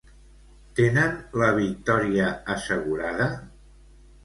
Tenen la victòria assegurada?